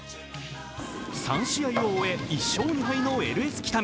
３試合を終え１勝２敗のＬＳ北見。